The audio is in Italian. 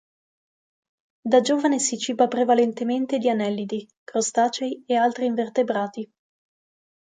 Da giovane si ciba prevalentemente di anellidi, crostacei e altri invertebrati.